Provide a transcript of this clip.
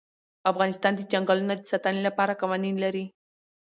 افغانستان د چنګلونه د ساتنې لپاره قوانین لري.